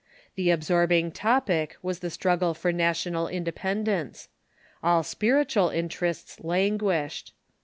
The absorbing topic was the struggle for nation al independence. All spiritual interests languished.